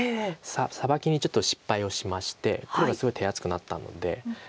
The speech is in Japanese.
サバキにちょっと失敗をしまして黒がすごい手厚くなったので。